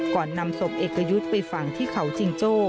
นำศพเอกยุทธ์ไปฝังที่เขาจิงโจ้